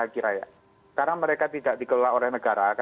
karena mereka tidak dikelola oleh negara